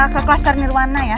ke kelas sarnirwana ya